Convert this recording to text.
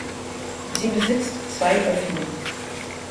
Sie besitzt zwei Öffnungen.